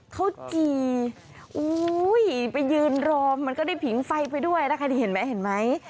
เขากี่ไปยืนรอมันก็ได้ผิงไฟไปด้วยถ้าใครที่เห็นมั้ยเห็นไหม